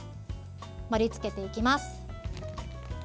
盛りつけていきます。